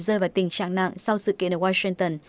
rơi vào tình trạng nặng sau sự kiện ở wilton